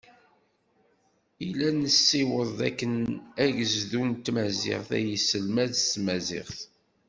Ilaq ad nesiweḍ dakken agezdu n tmaziɣt, ad yesselmad s tmaziɣt.